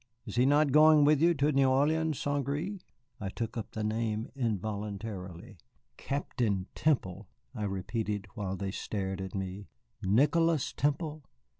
Is he not going with you to New Orleans, St. Gré?" I took up the name involuntarily. "Captain Temple," I repeated, while they stared at me. "Nicholas Temple?"